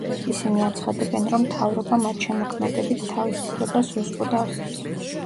ისინი აცხადებენ, რომ მთავრობა მათ შემოქმედებით თავისუფლებას უზღუდავს.